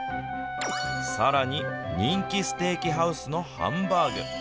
さらに、人気ステーキハウスのハンバーグ。